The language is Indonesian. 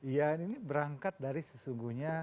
ya ini berangkat dari sesungguhnya